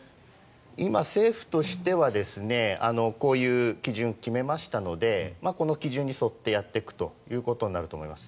今、政府としてはこういう基準を決めましたのでこの基準に沿ってやっていくということになると思います。